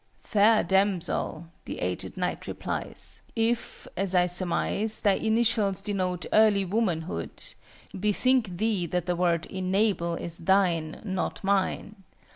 "Fair damsel," the aged knight replies, " if, as I surmise, thy initials denote Early Womanhood bethink thee that the word 'enable' is thine, not mine.